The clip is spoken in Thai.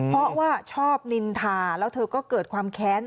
เพราะว่าชอบนินทาแล้วเธอก็เกิดความแค้น